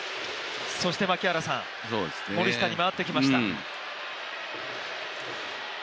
そして森下に回ってきました。